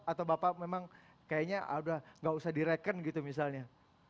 atau bapak memang kayaknya udah gak usah direken gitu misalnya